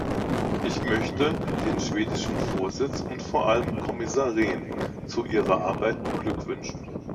Ich möchte den schwedischen Vorsitz und vor allem Kommissar Rehn zu ihrer Arbeit beglückwünschen.